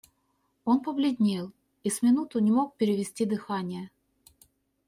Он побледнел и с минуту не мог перевести дыхания.